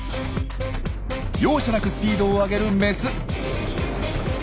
容赦なくスピードを上げるメス。